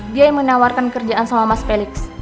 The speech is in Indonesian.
dia yang menawarkan kerjaan sama mas felix